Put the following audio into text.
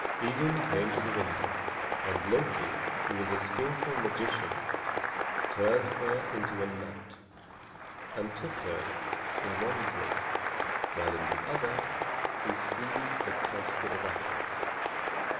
Idun came to the window, and Loki, who was a skillful magician, turned her into a nut and took her in one claw, while in the other he seized the casket of apples.